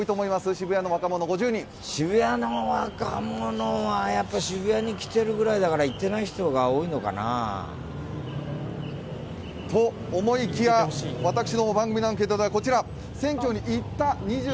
渋谷の若者は、やっぱり渋谷に来ているくらいだから、行ってない人が多いのかなあ？と思いきや、私の番組アンケートではこちら！